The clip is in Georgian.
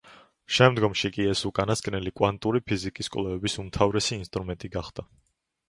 ეს უკანასკნელი კი კვანტური ფიზიკის კვლევების უმთავრესი ინსტრუმენტი გახდა შემდგომში.